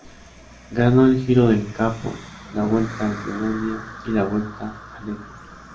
Ganó el Giro del Capo, la Vuelta a Eslovenia y la Vuelta al Etna.